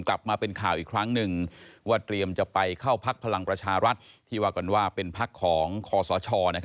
กลับมาเป็นข่าวอีกครั้งหนึ่งว่าเตรียมจะไปเข้าพักพลังประชารัฐที่ว่ากันว่าเป็นพักของคอสช